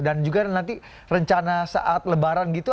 dan juga nanti rencana saat lebaran gitu